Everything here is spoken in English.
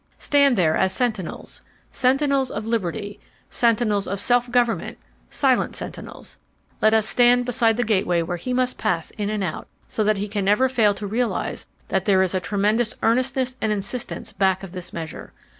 Stand there as sentinels—sentinels of liberty, sentinels of self government—silent sentinels. Let us stand beside the gateway where he must pass in and out, so that he can never fail to realize that there is a tremendous earnestness and insistence back of this measure.